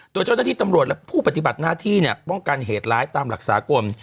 โดยเจ้าหน้าที่ตำรวจและผู้ปฏิบัติหน้าที่ป้องกันเหตุร้ายตามหลักสากล